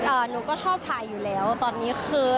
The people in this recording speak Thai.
หนูก็ชอบถ่ายอยู่แล้วตอนนี้คือ